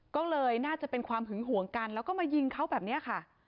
ก็เลยน่าจะเป็นความหึงห่วงกันแล้วก็มายิงเขาแบบนี้ค่ะ